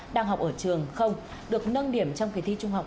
đang học ở trường không được nâng điểm trong kỳ thi trung học